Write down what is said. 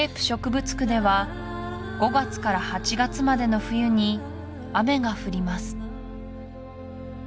植物区では５月から８月までの冬に雨が降ります